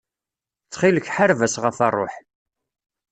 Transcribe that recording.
Ttxil-k ḥareb-as ɣef ṛṛuḥ.